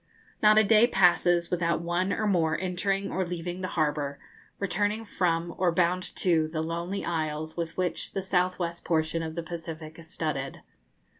Not a day passes without one or more entering or leaving the harbour, returning from or bound to the lonely isles with which the south west portion of the Pacific is studded.